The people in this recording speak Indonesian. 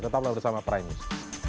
tetap bersama prymus